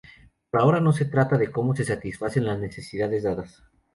Por ahora no se trata de cómo se satisfacen las necesidades dadas.